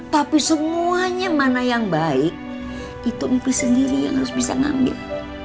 tapi semuanya mana yang baik itu empi sendiri yang harus bisa ngambil